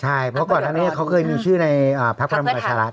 ใช่เพราะก่อนหน้านี้เขาเคยมีชื่อในพักพลังประชารัฐ